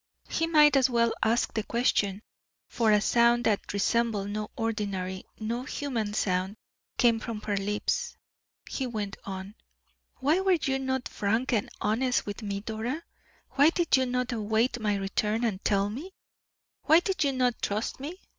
He might as well ask the question, for a sound that resembled no ordinary, no human sound, came from her lips. He went on: "Why were you not frank and honest with me, Dora? why did you not await my return, and tell me? why did you not trust me?